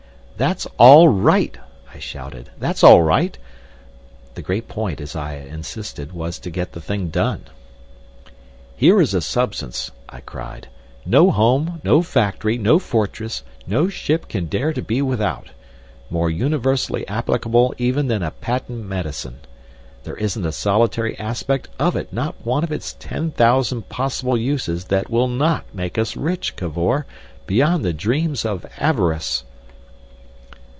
"That's all right," I shouted, "that's all right." The great point, as I insisted, was to get the thing done. "Here is a substance," I cried, "no home, no factory, no fortress, no ship can dare to be without—more universally applicable even than a patent medicine. There isn't a solitary aspect of it, not one of its ten thousand possible uses that will not make us rich, Cavor, beyond the dreams of avarice!"